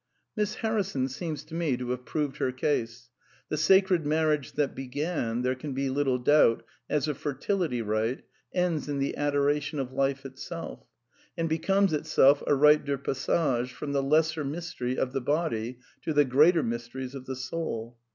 Miss Harrison seems to me to have proved her case; the Sacred Marriage that began, there can be little doubt, as a fertility rite, ends in the adoration^i of Life itself; and becomes itself a rite de passage fronfM* the Lesser Mystery of the body to the Greater Mysteries of the soul.